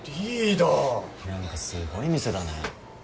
なんかすごい店だね。